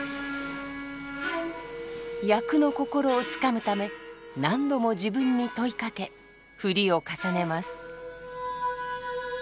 「役の心」をつかむため何度も自分に問いかけ振りを重ねます。